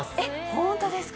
本当ですか？